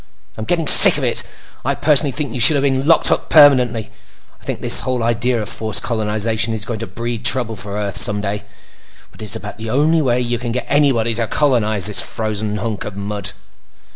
"I'm getting sick of it! I personally think you should have been locked up—permanently. I think this idea of forced colonization is going to breed trouble for Earth someday, but it is about the only way you can get anybody to colonize this frozen hunk of mud.